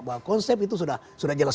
bahwa konsep itu sudah jelas